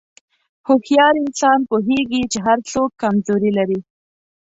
هوښیار انسان پوهېږي چې هر څوک کمزوري لري.